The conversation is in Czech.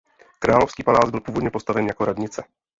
Královský palác byl původně postaven jako radnice.